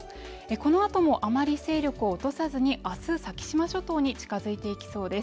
このあともあまり勢力を落とさずに、明日、先島諸島に近づいていきそうです。